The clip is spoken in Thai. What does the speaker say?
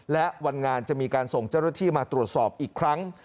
และวันงานจะมีการส่งเจ้าหน้าที่มาตรวจสอบอีกครั้ง